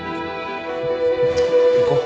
行こう。